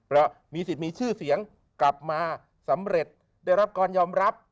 เพราะมีสิทธิ์มีชื่อเสียงกลับมาสำเร็จได้รับการยอมรับ